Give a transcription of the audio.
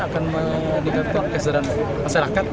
akan meningkatkan kesedaran masyarakat